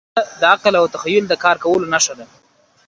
هڅه د عقل او تخیل د کار کولو نښه ده.